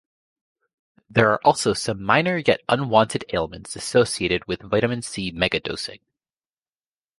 There are also some minor yet unwanted ailments associated with vitamin C megadosing.